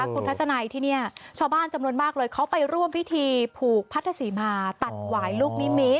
คุณทัศนัยที่นี่ชาวบ้านจำนวนมากเลยเขาไปร่วมพิธีผูกพัทธศรีมาตัดหวายลูกนิมิต